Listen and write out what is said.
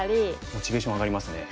モチベーション上がりますね。